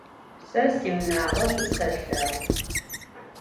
Se siunağo ş'u selheğu.